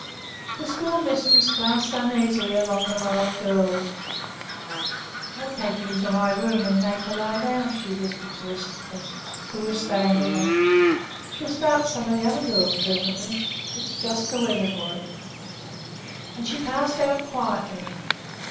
The schoolmistress glanced uneasily along the row of girls. 'I'll take her into my room and make her lie down,' she whispered to her sister, who was staying with her. 'She'll start some of the other girls presently it's just the weather for it,' and she passed out quietly.